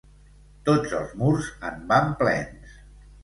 Tots els murs en van plens.